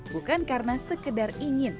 bukan karena sekedar ingin